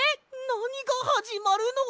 なにがはじまるの！？